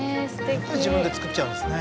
やっぱり自分で造っちゃうんですね